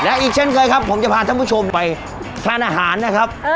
และอีกเช่นเคยครับผมจะพาท่านผู้ชมไปทานอาหารนะครับ